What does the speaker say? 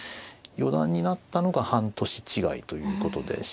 四段になったのが半年違いということで。